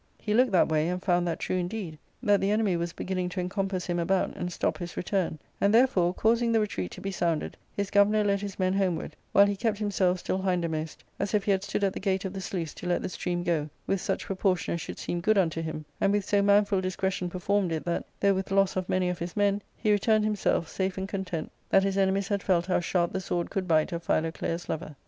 He 'looked that way and found that true indeed, that the enemy was beginning to encompass him about, and stop his return ; and, therefore, causing the retreat to be sounded, his governor led his men homeward, while he kept himself still hindermost, as if he had stood at the gate of the sluice to let the stream go, with such proportion as should seem good unto him, and with so manful discretion performed it, that, though with loss of many of his men, he returned, himself, safe and content that his enemies had felt how sharp the sword could bite of Philoclea's lover.